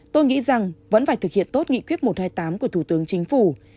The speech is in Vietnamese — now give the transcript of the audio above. tôi nghĩ rằng vẫn phải thực hiện tốt nghị quyết một trăm hai mươi tám của thủ tướng chính phủ